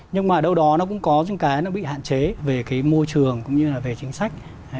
nhưng mà đâu đó nó cũng có những cái nó bị hạn chế về cái môi trường cũng như là về chính sách